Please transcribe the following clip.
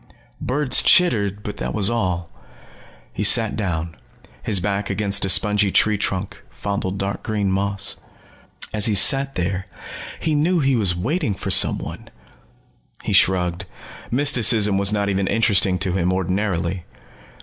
Birds chittered, but that was all. He sat down, his back against a spongy tree trunk, fondled dark green moss. As he sat there, he knew that he was waiting for someone. He shrugged. Mysticism was not even interesting to him, ordinarily.